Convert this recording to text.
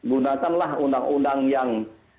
gunakanlah undang undang yang